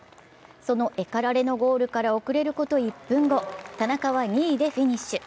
そのエカラレのゴールから遅れること１分後、田中は２位でフィニッシュ。